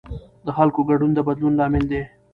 د خلکو ګډون د بدلون لامل دی